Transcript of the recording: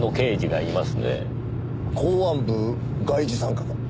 公安部外事三課か。